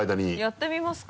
やってみますか？